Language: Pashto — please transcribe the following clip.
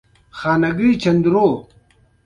د افغانستان جلکو د افغانستان د بڼوالۍ برخه ده.